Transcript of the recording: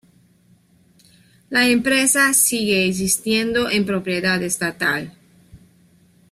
La empresa sigue existiendo en propiedad estatal.